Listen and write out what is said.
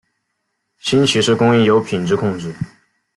新奇士供应有品质控制。